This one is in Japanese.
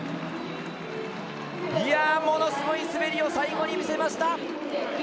ものすごい滑りを最後に見せました！